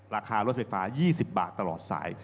ราคารถราบริดฟ้า๒๐บาทตลอดสาย